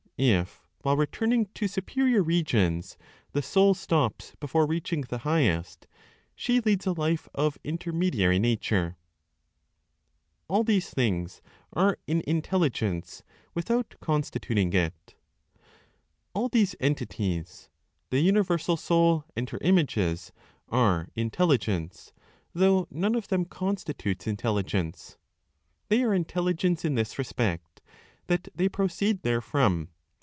If, while returning to superior regions, the soul stops before reaching the highest, she leads a life of intermediary nature. ALL THESE THINGS ARE IN INTELLIGENCE, WITHOUT CONSTITUTING IT. All these entities (the universal Soul and her images) are Intelligence, though none of them constitutes Intelligence. They are Intelligence in this respect, that they proceed therefrom.